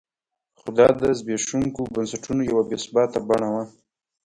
خو دا د زبېښونکو بنسټونو یوه بې ثباته بڼه وه.